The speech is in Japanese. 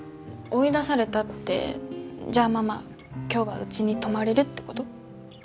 追い出されたってじゃあママ今日はうちに泊まれるってこと？